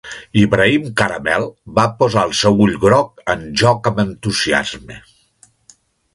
Ibrahim Caramel va posar el seu ull groc en joc amb entusiasme.